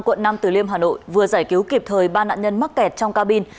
quận năm từ liêm hà nội vừa giải cứu kịp thời ba nạn nhân mắc kẹt trong cabin